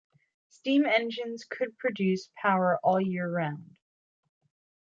Steam engines could produce power all year round.